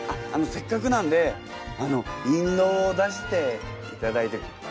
せっかくなんで印籠を出していただいて。